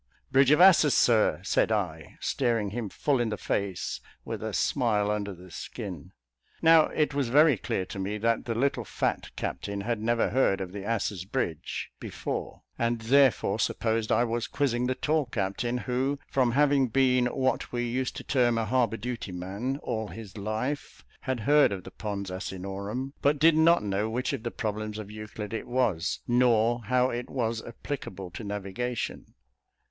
'" "Bridge of Asses, Sir," said I, staring him full in the face, with a smile under the skin. Now it was very clear to me that the little fat captain had never heard of the Asses Bridge before, and therefore supposed I was quizzing the tall captain, who, from having been what we used to term a "harbour duty man" all his life, had heard of the Pons Asinorum, but did not know which of the problems of Euclid it was, nor how it was applicable to navigation.